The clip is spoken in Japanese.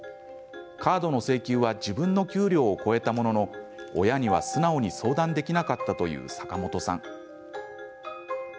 カードの請求は自分の給料を超えたものの親には素直に相談できなかったという坂本さん。